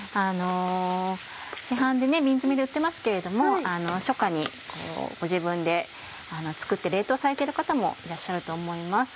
市販で瓶詰めで売ってますけれども初夏にご自分で作って冷凍されている方もいらっしゃると思います。